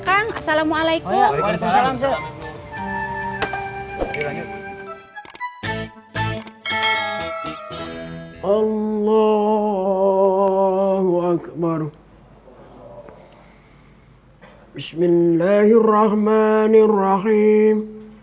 langsung assalamualaikum waalaikumsalam selalu allah wa akbaru bismillahirrahmanirrahim